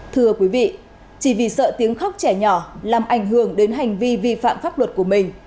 thưa quý vị chỉ vì sợ tiếng khóc trẻ nhỏ làm ảnh hưởng đến hành vi vi phạm pháp luật của mình